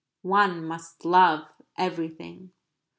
"One must love everything."